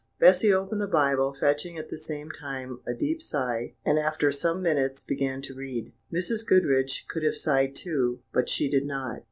Bessy opened the Bible, fetching at the same time a deep sigh, and, after some minutes, began to read. Mrs. Goodriche could have sighed too, but she did not.